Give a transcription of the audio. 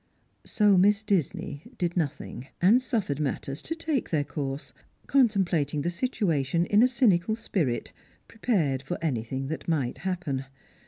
So Miss Disney did nothing, and suffered matters to take their course, contemplating the situation in a cynical spirit, prepared for anything that might happen.